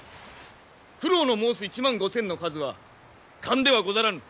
九郎の申す１万５，０００の数は勘ではござらぬ。